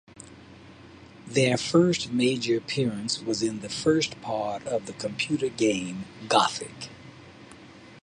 Their first major appearance was in the first part of the computer game "Gothic".